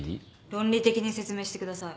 論理的に説明してください。